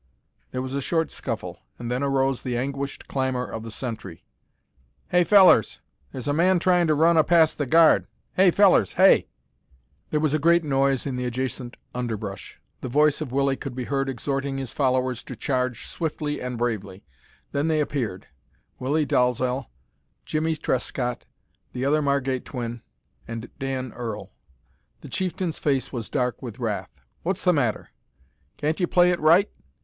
There was a short scuffle, and then arose the anguished clamor of the sentry: "Hey, fellers! Here's a man tryin' to run a past the guard. Hey, fellers! Hey!" There was a great noise in the adjacent underbrush. The voice of Willie could be heard exhorting his followers to charge swiftly and bravely. Then they appeared Willie Dalzel, Jimmie Trescott, the other Margate twin, and Dan Earl. The chieftain's face was dark with wrath. "What's the matter? Can't you play it right?